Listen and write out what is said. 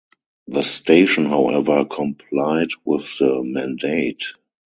The station, however, complied with the mandate.